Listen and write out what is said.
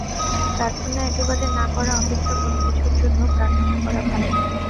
প্রার্থনা একেবারে না করা অপেক্ষা কোন কিছুর জন্য প্রার্থনা করা ভাল।